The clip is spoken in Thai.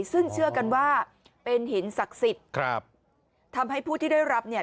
ซึ่งเชื่อกันว่าเป็นหินศักดิ์สิทธิ์ครับทำให้ผู้ที่ได้รับเนี่ย